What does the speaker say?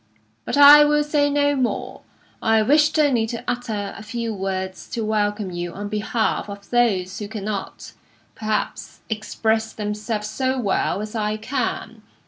But I will say no more; I wished only to utter a few words to welcome you on behalf of those who cannot, perhaps, express themselves so well as I can.